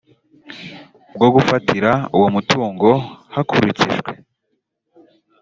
bwo gufatira uwo umutungo hakurikijwe